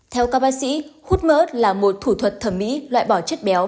theo các bác sĩ hút mỡ là một thủ thuật thẩm mỹ loại bỏ chất béo